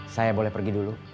saya boleh pergi dulu